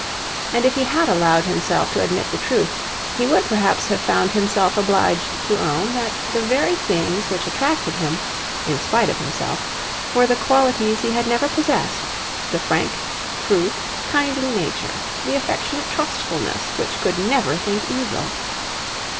And if he had allowed himself to admit the truth, he would perhaps have found himself obliged to own that the very things which attracted him, in spite of himself, were the qualities he had never possessed the frank, true, kindly nature, the affectionate trustfulness which could never think evil.